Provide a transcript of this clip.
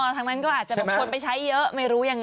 อ๋อทางนั้นก็อาจจะบอกคนไปใช้เยอะไม่รู้อย่างไร